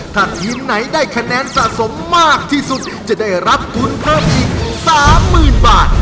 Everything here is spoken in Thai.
ถ้าทีมไหนได้คะแนนสะสมมากที่สุดจะได้รับทุนเพิ่มอีก๓๐๐๐บาท